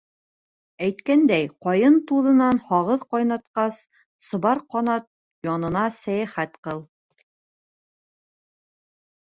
Әйткәндәй, ҡайын туҙынан һағыҙ ҡайнатҡас, Сыбар Ҡанат янына сәйәхәт ҡыл.